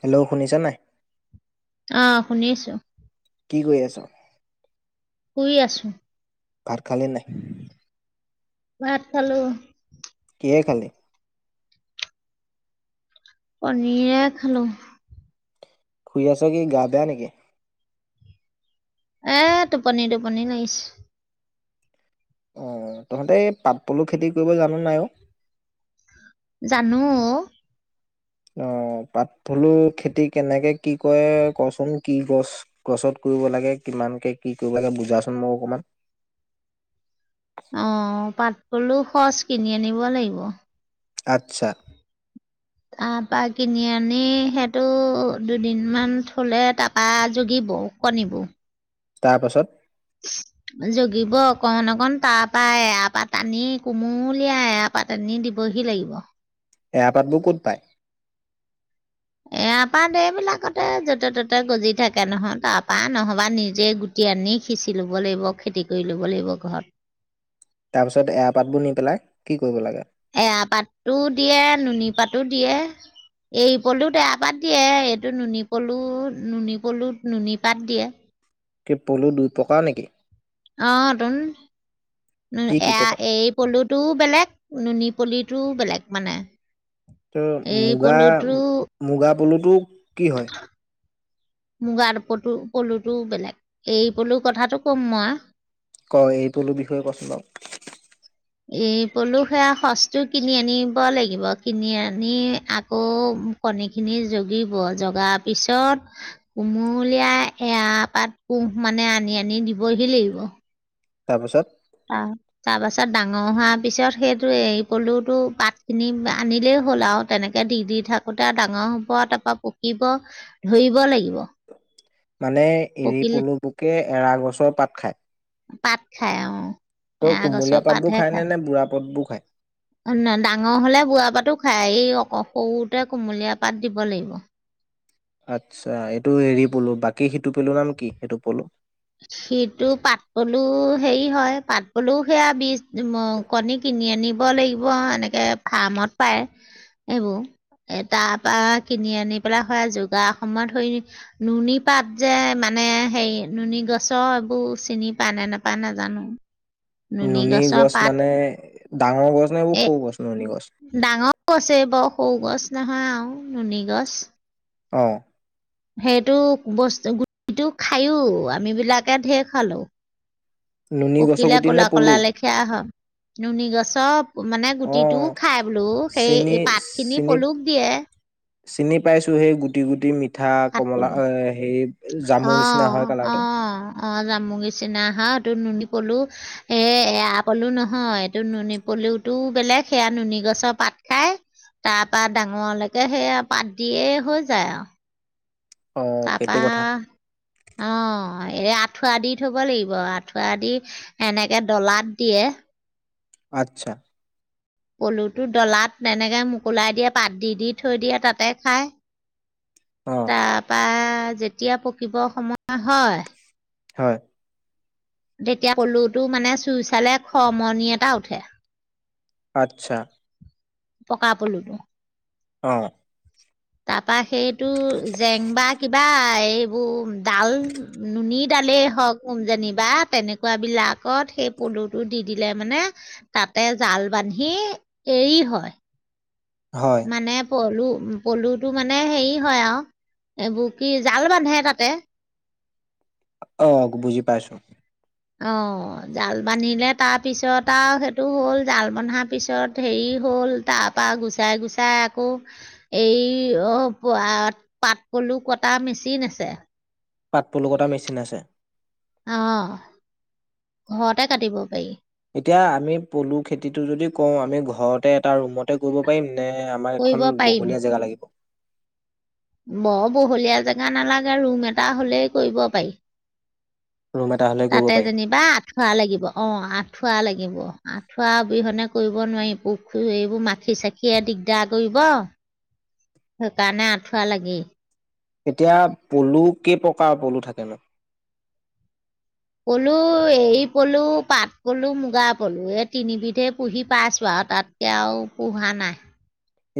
Hello, শুনিছা নাই? আহ শুনিছো। কি কৰি আছ? শুই আছো। ভাত খালি নাই? ভাত খালো। কিহেৰে খালি? পনীৰে খালো। শুই আছ কি গা বেয়া নেকি? এ টোপনি টোপনি লাগিছে। আহ তহঁতে পাপ পলু খেতি কৰিব জানো নাই অ? জানো অ। অ পাতপলুৰ খেতি কেনেকে কি কৰে, কচোন কি গছ গছত, কৰিব লাগে কিমানকে কি কৰিব লাগে বুজাচোন মোক অকণমান। অ পাত পলুৰ খচ কিনি আনিব লাগিব। আচ্ছা। তাৰপা কিনি আনি সেইটো দুদিনমান থ'লে তপৰা যগিব কণিবোৰ তাৰ পাছত জগিব অকণ অকণ তাৰ পৰাৰা এৰাপাত টনি কোমোলিয়াই এাৰপাত আনি দিবহি লাগিব এৰাতপাতবোৰ ক'ত পায় এয়পা দেবিলাকতে য'তে ত'তে গজি থাকে নহয় তাৰপৰা নহবা নিজেই গুটি আনি সিঁচি ল'ব লাগিব খেতি কৰি ল'ব লাগিব ঘৰত তাৰ পিছত এৰা পাতবোৰ নি পেলাই কি কৰিব লাগে এৰা পাতো দিয়ে নুনী পাতো দিয়ে এই পলুত এৰা পাত দিয়ে এইটো নুনী পলু নুনী পলুত নুনী পাত দিয়ে কি পলু দুটকা নেকি অটু কি কি এয়া প্ৰকাৰ এৰি পলুটো বেলেগ নুনী পুলিটো বেলেগ মানে ত এৰী মুগা পলুটো মুগা বলুট কি হয় মুগাৰ পলু পলুটো বেলেগ এই পলুৰ কথাটো ক'ম মই ক এৰিপলুটো বিষয়ে কচোন বাৰু এই পলু সেয়া সচ্তটো কিনি আনিব লাগিব কিনি আনি আকৌ কণী খিনি জগিব জগাৰ পিছত কুমলীয়াই এৰা পাত কুহ মানে আনি আনি দিবহি লাগিব তাৰপিছত তাৰপাছত ডাঙৰ হোৱাৰ পিছত সেইটো এ পলওটো পাতখিনি আনিলেই হ'ল আৰু তেনেকে দি দি থাকোতে ডাঙৰ হব তাৰপা পকিব ধৰিব লাগিব মানে এৰি পকিলে পলু পুকে এৰা গছৰ পাত খায় পাত খাই আৰু ত' এৰা কুমলীয়া গছৰ পাতবোৰ পাতহে নে খায় নে বুঢ়া পাতবোৰ খায়? ডাঙৰ হলে বুঢ়া পাতো খায় এই অক সৰুতে কুমলীয়া পাত দিব লাগিব আচ্ছা এইটো হেৰি পলু বাকী সিটো পলু নে কি সেইটো পলো সিটো পাত পলুও হেৰি হয় পাত পলুও সেয়া বীজ কণী কিনি আনিব লাগিব এনেকে ফাৰ্মত পায় এইেইবোৰ এ তাৰ পৰা কিনি আনি পেলাই হয় যোগাৰ সময়ত হৰি নুনী পাত যে মানে হেৰি নুনী গছৰ এইবোৰ চিনি পা নে নাপা নাজানো নুনী গছৰ গছ পাত মানে ডাঙৰ গছ নাই এইবোৰ এই সৌ গছ নুনী গছ ডাঙৰ গছ এই বৰ সৰু গছ নহয় আৰু নুনি গছ অ সেইটো বস্তু গুটিটো খায়ো আম বিলাকে ঢেৰ খালো নুনী গছৰ পকিলে গুটি নে কলা পলু? কলা লেখিয়া হয় নুন গছৰ মানে গুটিটোও অ', খাই বোলো চিনি সেই পাত খিনি চিনি পলুক দিয়ে চিনি পাইছো সেই গুটি গুটি মি পিঠা পাত কমলা পলু হেৰি জামুৰ নিচিনা হয় অ', কালাৰটো অ', অ জামু নিচিনা হা এইটো নুনী পলু এই এৰা পলু নহয় এইটো নুনী পলুটো বেলেগ সেয়া নুনী গছৰ পাত খাই তাৰ পৰাৰা ডাঙৰলৈকে সেয়া পাত দিয়ে হৈ যায় আৰু অ', তাৰ সেইটো কথা। পৰা অ অ এই আঁঠুৱা দি থব লাগিব আঠুৱা দি এনেকে ডলাত দিয়ে আচ্ছা পলুটো ডলাত তেনেকে মোকুলাই দিয়ে পাত দি-দি থৈ দিয়ে তাতে খায়। অ', তাৰপা যেতিয়া পকিব সময় হয়। হয়। তেতিয়া পলুতো মানে চুই চালে খ মৰনি এটা উঠে। আচ্ছা, পকা পলুটো। অ, তাত তপৰা সেইটো জেং বা কিবা এই এইবোৰ ডাল নুনী ডালেই হওক যেনিবা তেনেকুৱাবলাকত সেই পলুটো দি দিলে মানে তাতে জাল বান্ধি এৰি হয়। হয় মানে পলু পলুটো মানে হেৰি হয় আৰু এইবোৰ কি জাও বান্ধে তাতে। আহ, বুজি পাইছো। অ', জাল বান্ধিলে তাৰপিছত আৰু সেইটো হ'ল জাল বন্ধাৰ পিছত হেৰি হল তাৰপা গুচাই-গুচাই আকৌ এই প পাট পলু কটা মেচিন আছে। পাটপুলুকতটা মেচিন আছে। অ', ঘৰতে কাটিব পাৰি। এতিয়া আমি পলু খেতিটো যদি কওঁ আমি ঘৰতে এটা ৰুমত কৰিব পাৰিম নে আমাৰ কৰিব এখন পাৰিম। বহুলীয়া জেগা লাগিব। বৰ বহলীয়া জেগা নালাগে ৰুম এটা হলেই কৰিব পাৰি। ৰুম এটা হলে কৰিব তাতে পাৰিম যেনিবা আঠা লাগিব অ আঠ আঁঠুৱা লাগিব আঁঠুৱা অবিহনে কৰিব নোৱাৰি পুখুৰ এইবোৰ মাখি চাখিয়ে দিগদাৰ কৰিব সেইকাৰণে আঁঠুৱা লাগে। এতিয়া পলু কেই প্ৰকাৰৰ পলু থাকে ন? পলু, এৰ পলু, পাট পলু, মুগা পলু, এই তিনিবিধে পুহি পাইছো আৰু তাতকে আৰু পোহা নাই।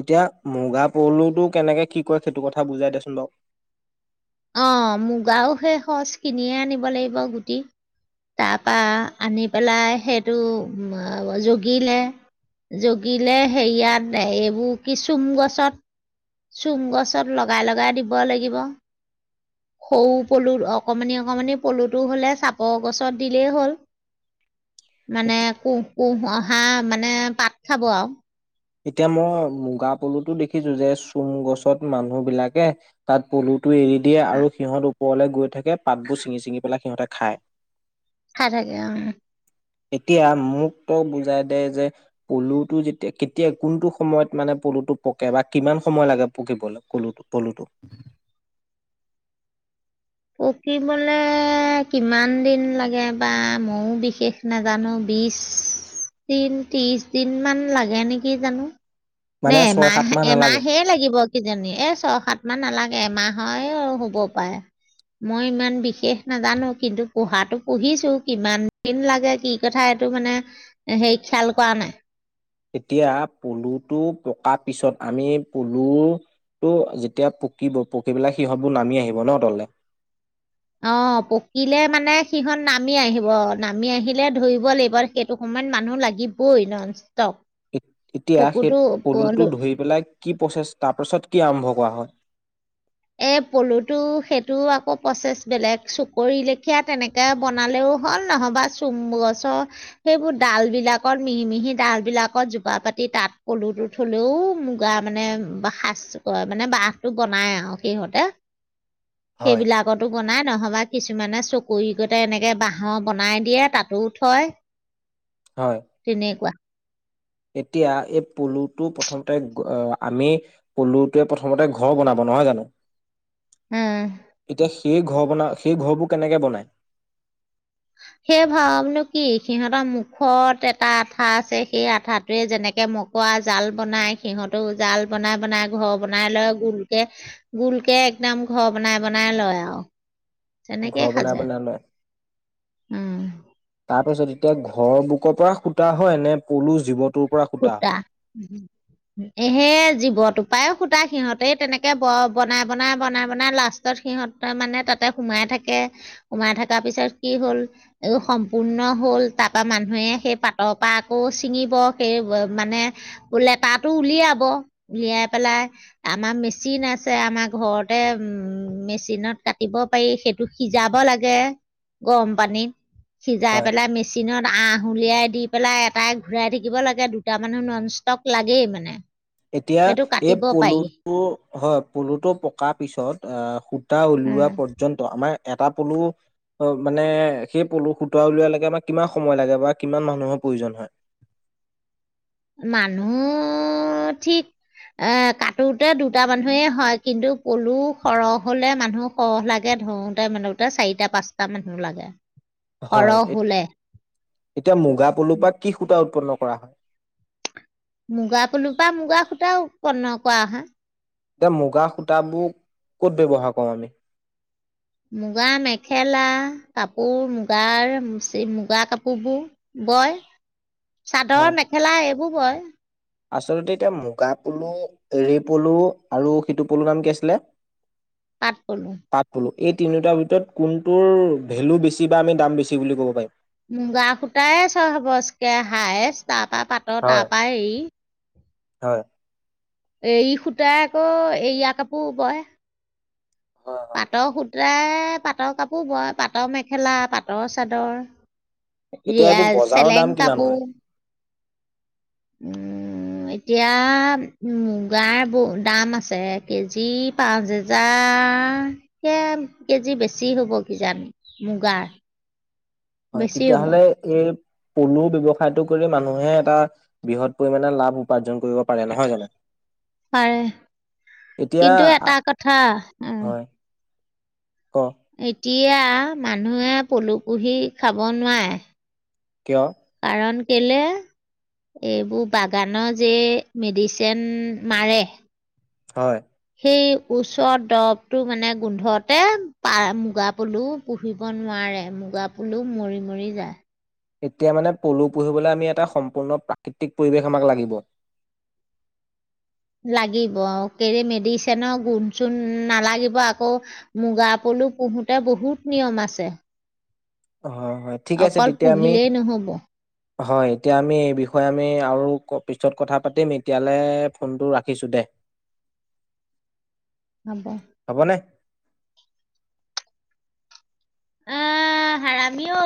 এতিয়া মুগা পলুটো কেনেকে কি কয় সেইটো কথা বুজাই দেচোন বাৰু? অ', মুগাও সেই সজ কিনিয়ে আনিব লাগিব। গুটি তাৰপা আনি পেলাই সেইটো জগিলে জগিলে হেৰিয়াত এইবোৰ কি চোম গছত চোম গছত লগাই-লগাই দিব লাগিব। সৰু পলু অকমানি-অকমানি পলুটো হলে চাপৰ গছত দিলেই হ'ল। মানে কো পুহ হাঁ মানে পাত খাব আৱ। এতিয়া মই মুগা পলুতো দেখিছো যে চোম গছত মানুহ বিলাকে তাত পলু টো এৰি দিয়ে আৰু সিহঁত ওপৰলৈ গৈ থাকে পাতবোৰ ছিঙি-চিঙি পেলাই সিহঁতে খায়। খাই থাকে আহ এতিয়া মোক ত বুজাই দে যে পলুটো যেতিয়া এতিয়া কোনটো সময়ত মানে পলুটো পকে বা কিমান সময় লাগে পকিবলৈ পলু পলুটো। পকিবলৈ কিমান দিন লাগে বা ময়ো বিশেষ নাজানো বিশ দিন, ত্ৰিশ দিন মান লাগে নেকি জানো। নে মানে ছয় এমাহ সাত মাহ নালাগে এমাহে লাগিব কিজনী এ ছয়, সাত ইমান নালাগে এমাহয়ে হ'ব পায়ে। মই ইমান বিশেষ নাজানো কিন্তু পঢ়াতো পঢ়িছো, কিমান দিন লাগে কি কথা এইটো মানে হে খিয়াল কৰা নাই। এতিয়া পলুটো পকাৰ পিছত আমি পলুটো যেতিয়া পকিব পকি পেলাই সিহঁতবোৰ নামি আহিব ন তললে। অ পকিলে মানে সিহঁত নামি আহিব নামি আহিলে ধৰিব লাগিব সেইটো সময়ত মানুহ লাগিবই ন। এতিয়া সেই পলুটো ধৰি পেলাই কি প্ৰচেছ তাৰপাছত কি আৰম্ভ কৰা হয়। এ পলুটো সেইটো আকৌ প্ৰচেছ বেলেগ চুকৰি লেখিয়া তেনেকে বনালেও হ'ল নহ'বা চোম গছৰ সেইবোৰ ডাল বিলাকত মিহি মিহি ডাল বিলাকত জোপাৰ পাতি তাত পলুটো থলেও মুগা মানে সাজ ক মানে বাহটো বনাই আৰু। সিহঁতে হয় সেইবিলাকতো বনাই। নহ'বা কিছুমানে চকুৰি কতে এনেকে বাঁহৰ বনাই দিয়ে তাতো থয়। হয় তেনেকুৱা এতিয়া এই পলুটো প্ৰথমতে আমি পলুটোৱে প্ৰথমতে ঘৰ বনাব নহয় জানো? উম। এতিয়া সেই ঘৰ বনা সেই ঘৰবোৰ কেনেকে বনায়? সেই ভাৱনো কি সিহঁতৰ মুখত এটা আঠা আছে সেই আঠাটোৱে যেনেকে মকৰা জাল বনাই সিহঁতো জাল বনাই বনাই ঘৰ বনাই লয় গোলকে গোলকে একদম ঘৰ বনাই বনাই লয় আৱ। ঘৰ বনাই বনাই লয়। তাৰপিছত এতিয়া ঘৰৰ বুকৰ পৰা সূতা হয় নে পলু জীৱত সূতা, এহে জীৱতো পায়ো সূতা সিহঁতেই তেনেকে ব বনাই বনাই বনাই বনাই লাষ্টত সিহঁত মানে তাতে সোমাই থাকে সোমাই থকাৰ পিছত কি হ'ল এই সম্পূৰ্ণ হ'ল তাপা মানুহে সেই পাতৰ পা আকৌ ছিঙিব সেই মানে উ লেতাটো উলিয়াব উলিয়াই পেলাই আমা মেচিন আছে আমা ঘৰতে উম মেচিনত কাটিব পাৰি সেইটো সিজাব লাগে গৰম পানীত। সিজাই হয়। পেলাই মেচিনত। আহ উলিয়াই দি পেলাই এটাই ঘূৰাই দি দিব লাগে দুটা মানুহ নন ষ্টপ লাগেই মানে। এতিয়া সেইটো এই কাটিব পাৰি। পলুটো হয় পলুটো পকাৰ পিছত আহ সূতা উলিওৱা উম। পৰ্যন্ত আমাৰ এটা পলু মানে সেই পলু সূতা উলোওৱা লৈকে আম কিমান সময় লাগে বা কিমান মানুহৰ প্ৰয়োজন হয়। মানুহ ঠিক এ কাটোতে দুটা মানুহেই হয় কিন্তু পলু সৰহ হলে মানুহ সৰহ লাগে ধৰোতে মানতে চাৰিটা পাঁচটা মানুহ লাগে। হয়, সৰহ হলে এতিয়া মুগা পলুৰপা কি সুতা উ [inaudible] উপন্ন কৰা হয়। মুগা পলু পৰা মুগা সুতা। এটা উৎপন্ন কৰা হয়। এতিয়া মুগা সূতাবোৰ ক'ত ব্যৱহাৰ কৰো আমি। মুগা মেখেলা কাপোৰ মুগাৰ মুগা কাপোৰবোৰ বয়। হয় চাদৰ মেখেলা এইবোৰ ো পই [unintelligible] আচলতে এতিয়া মুগাপলু, এৰী পলু আৰু সিটোপলু নাম কি আছিলে? পাত পলো পাট পলু এই তিনিওটা ভিতৰত কোনটোৰ ভেলু বেছি বা আমি দাম বেছি বুলি ক'ব পাৰিম। মুগা সূতাই চ বস্কে হাইছ তাৰ পৰা পাতৰ তাৰ হয়, পৰা এৰি হয়, এই সূতা আকৌ এয়া কাপোৰ বয় হয়, হয়। পাতৰ সুত, প্ৰায়ই পাটৰ কাপোৰ বয় পাটৰ মেখেলা পাটৰ চাদৰ এতিয়া এইয়া এইবোৰ বজাৰৰ দাম চেলেং কিমান হয়? কাপোৰ উম এতিয়া মুগাৰ ব দাম আছে কেজি পাঁচ হেজাৰে কেজি বেছি হব কিজানি মুগাৰ। হয় বেছি হ'ব তেতিয়াহ'লে এই। পলু ব্যবসায়তটো কৰি মানুহে এটা বৃহৎ পৰিমাণে লাভ উপাৰ্জন কৰিব পাৰে নহয় জানো? পাৰে এতিয়া কিন্তু এটা কথা উম। হয়, ক, এতিয়া মানুহে পলুপোহি খাব নোৱাৰে। কিয়? কাৰণকেলে এইবোৰ বাগানৰ যে মেডিচিন মাৰে হয়, এই ওচৰত দৰবটো মানে গোন্ধতে পা মুগা পলু পুহিব নোৱাৰে মুগা পলু মৰি মৰি যায়। এতিয়া মানে পলু পুহিবলৈ আমি এটা সম্পূৰ্ণ প্ৰাকৃতিক পৰিৱেশ আমাক লাগিব। লাগিব কেলে মেডিচিনৰ গোণ চুণ নালাগিব আকৌ মুগা পলু পোহোতে বহুত নিয়ম আছে। হয়, হয় ঠিক আছে অকল তেতিয়া আমি পোঢ়িলেই নহব। হয়, এতিয়া আমি এই বিষয়ে আমি আৰু পিছত কথা পাতিম এতিয়ালৈ ফোনটো ৰাখিছোঁ দে। হব হ'বনে? উম হৰামিও